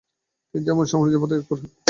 তিনি জার্মান সাম্রাজ্য ত্যাগ করেন।